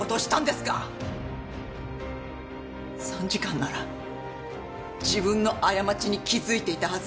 参事官なら自分の過ちに気づいていたはずです。